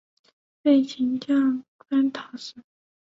被秦将章邯讨死。